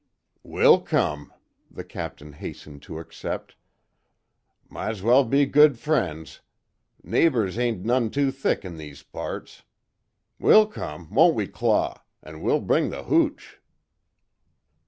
"We'll come," the Captain hastened to accept, "Might's well be good friends. Neighbors hain't none too thick in these parts. We'll come, won't we Claw an' we'll bring the hooch."